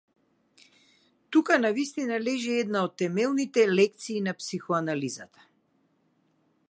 Тука навистина лежи една од темелните лекции на психоанализата.